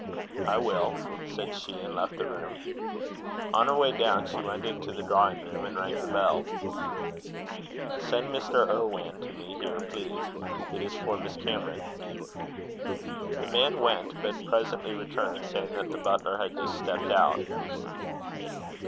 "I will," said she, and left the room. On her way down, she went into the drawing room, and rang the bell. "Send Mr. Irwan to me here, please. It is for Miss Cameron." The man went, but presently returned, saying that the butler had just stepped out.